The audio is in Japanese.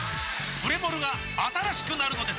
プレモルが新しくなるのです！